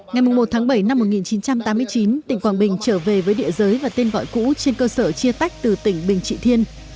ngày một tháng bảy năm một nghìn chín trăm tám mươi chín tỉnh quảng bình trở về với địa giới và tên gọi cũ trên cơ sở chia tách từ tỉnh bình trị thiên